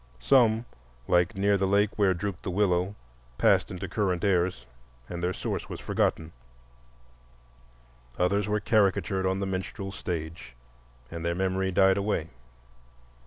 Some, like "Near the lake where drooped the willow," passed into current airs and their source was forgotten; others were caricatured on the "minstrel" stage and their memory died away.